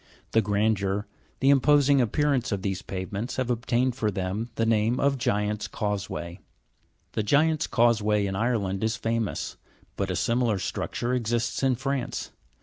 The gran deur, the imposing appearance of these pavements, have obtained for them the name of Giants 1 Causeway. The Giants' Causeway in Ireland is famous ; but a similar structure exists in France.